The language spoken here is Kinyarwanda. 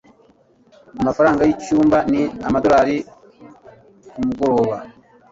Amafaranga yicyumba ni amadorari kumugoroba.